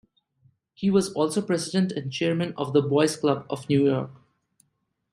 He was also president and chairman of the Boys' Club of New York.